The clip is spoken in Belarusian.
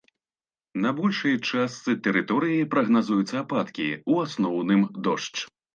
На большай частцы тэрыторыі прагназуюцца ападкі, у асноўным дождж.